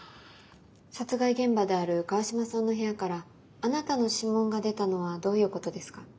殺害現場である川島さんの部屋からあなたの指紋が出たのはどういうことですか？